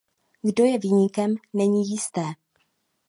Kdo je viníkem, není jisté.